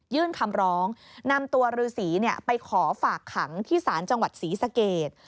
คำร้องนำตัวฤษีไปขอฝากขังที่ศาลจังหวัดศรีสเกต